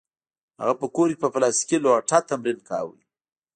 هغه په کور کې په پلاستیکي لوټه تمرین کاوه